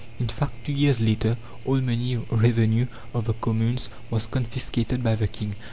In fact, two years later all money revenue of the communes was confiscated by the King.